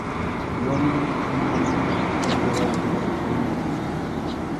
Wa mú tumamú pandúrâwurrôndô kunú.